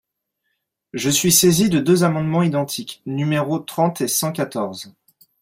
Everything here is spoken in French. Je suis saisi de deux amendements identiques, numéros trente et cent quatorze.